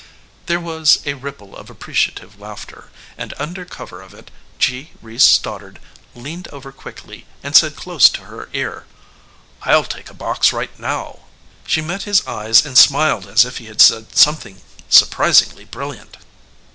There was a ripple of appreciative laughter, and under cover of it G. Reece Stoddard leaned over quickly and said close to her ear: "I'll take a box right now." She met his eyes and smiled as if he had said something surprisingly brilliant.